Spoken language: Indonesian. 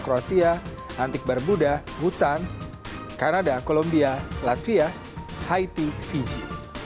kroasia antik barbuda bhutan kanada kolombia latvia haiti fiji